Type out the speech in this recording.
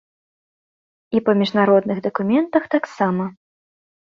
І па міжнародных дакументах таксама.